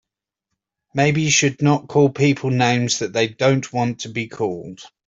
Maybe he should not call people names that they don't want to be called.